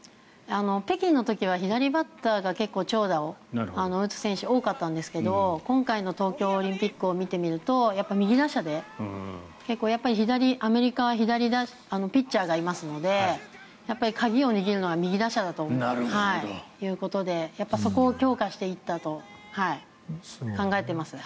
北京の時は左バッターが結構、長打を打つ選手が多かったんですけど今回の東京オリンピックを見てみると、右打者で結構アメリカは左ピッチャーがいますので鍵を握るのは右打者だということでそこを強化していったと考えています。